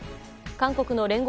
韓国の聯合